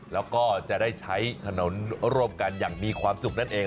แล้วก็จะได้ใช้ถนนร่วมกันอย่างมีความสุขนั่นเอง